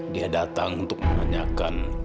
dia datang untuk menanyakan